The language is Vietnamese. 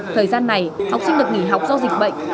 thời gian này học sinh được nghỉ học do dịch bệnh